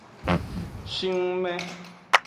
Shingme.